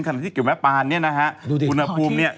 ขนาดที่เกี่ยวแม้ปานอุณหภูมินี่